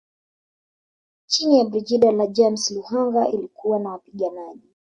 Chini ya Brigedia James Luhanga ilikuwa na wapiganaji